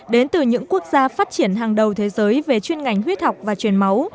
đến từ những quốc gia phát triển hàng đầu thế giới về chuyên ngành huyết học và truyền máu